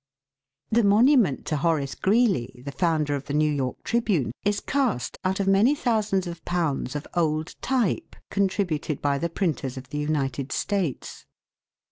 The monument to Horace Greeley, the founder of the New York Tribune, is cast out of many thousands of pounds of old type, contributed by the printers of the United States.